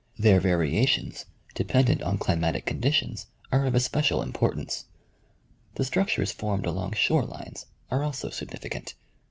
Their varia tions dependent on climatic conditions are of especial importance. The structures formed along shore lines are also significant.